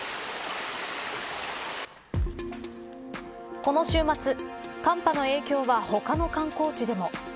この週末寒波の影響は他の観光地でも。